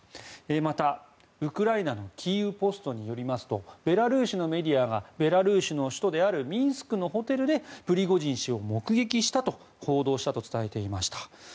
また、ウクライナのキーウ・ポストによりますとベラルーシのメディアがベラルーシの首都であるミンスクのホテルでプリゴジン氏を目撃したと報道したと伝えていました。